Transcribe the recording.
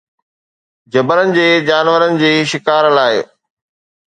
جبلن جي جانورن جي شڪار لاءِ